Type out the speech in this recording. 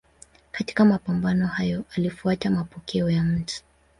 Katika mapambano hayo alifuata mapokeo ya Mt.